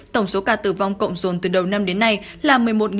tổng số ca tử vong cộng dồn từ đầu năm đến nay là một mươi một chín trăm chín mươi hai